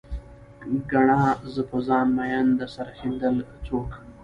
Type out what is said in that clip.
ګڼه، زه په ځان مين د سر ښندل څوک